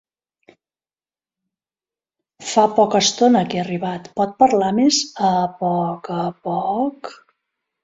Fa poc estona que he arribat, pot parlar més a poc a poc?